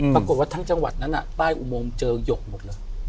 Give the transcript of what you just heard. กระทั่งจังหวัดนั้นใต้อุโมงเจอหยกหมดเลย